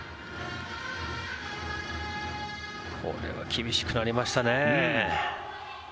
これは厳しくなりましたね。